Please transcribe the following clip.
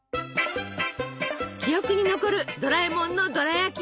記憶に残るドラえもんのドラやき愛！